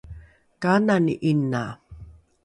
kaanaeni ’ina?